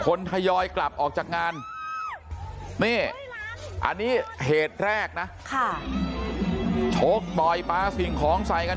ทยอยกลับออกจากงานนี่อันนี้เหตุแรกนะค่ะโชคต่อยปลาสิ่งของใส่กัน